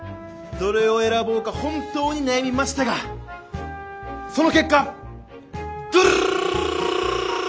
どれを選ぼうか本当に悩みましたがその結果ドゥルルルルルルルルルル！